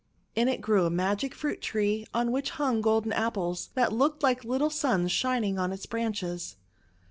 In it THE LITTLE NYMPH 115 grew a magic fruit tree on which hung Golden Apples that looked like little suns shining on its branches.